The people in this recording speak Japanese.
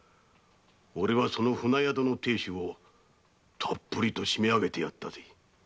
おれはその船宿の亭主をたっぷりと締めあげてやったぜ。